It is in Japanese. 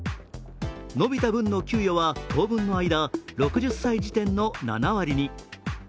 伸びた分の給与は当分の間６０歳時点の７割に。